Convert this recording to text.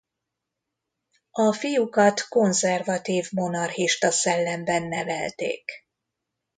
A fiúkat konzervatív monarchista szellemben nevelték.